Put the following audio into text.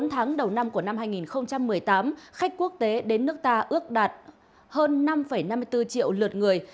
bốn tháng đầu năm của năm hai nghìn một mươi tám khách quốc tế đến nước ta ước đạt hơn năm năm mươi bốn triệu lượt người